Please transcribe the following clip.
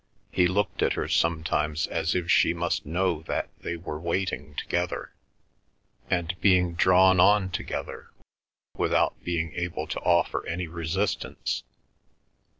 He looked at her sometimes as if she must know that they were waiting together, and being drawn on together, without being able to offer any resistance.